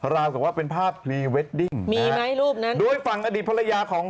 ราวกับว่าเป็นภาพพรีเวดดิ้งมีไหมรูปนั้นโดยฝั่งอดีตภรรยาของ